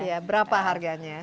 iya berapa harganya